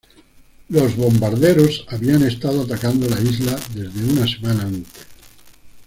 Los bombarderos habían estado atacando la isla desde una semana antes.